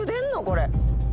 これ。